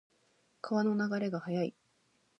川の流れが速い。